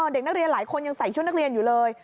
เด็กนักเรียนหลายคนยังใส่ชุดนักเรียนอยู่เลย